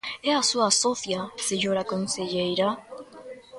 ¡É a súa socia, señora conselleira!